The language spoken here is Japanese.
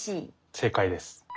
正解です。